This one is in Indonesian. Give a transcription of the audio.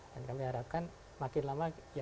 dan kami harapkan makin lama